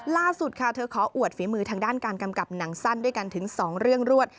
ล่าสุดค่ะเธอขออวดฝีมือทางด้านการกำกับหนังสั้นด้วยกันถึง๒เรื่องรวด